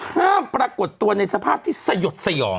ปรากฏตัวในสภาพที่สยดสยอง